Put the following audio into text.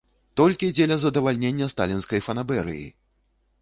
Толькі дзеля задавальнення сталінскай фанабэрыі!